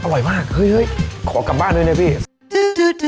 อร่อยมากเฮ้ยขอกลับบ้านด้วยนะพี่